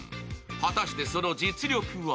果たしてその実力は？